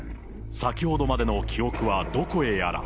先ほどまでの記憶はどこへやら。